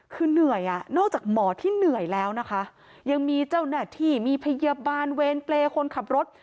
คือเหนื่อยอ่ะนอกจากหมอที่เหนื่อยแล้วนะคะยังมีเจ้าหน้าที่มีพยาบาลเวรเปรย์คนขับรถ